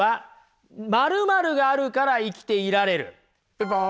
ピンポン。